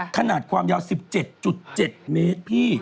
ขนาดความยาว๑๗๗เมตรพี่